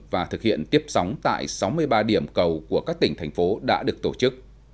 và thực hiện tiếp sóng tại sáu mươi ba điểm cầu của các tỉnh thành phố đã được tổ chức